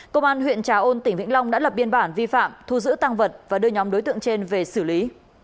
công an huyện trà ôn tỉnh vĩnh long đã lập biên bản vi phạm thu giữ tăng vật và đưa nhóm đối tượng trên về xử lý